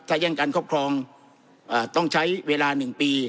ถ้าแย่งการครอบครองต้องใช้เวลา๑ปี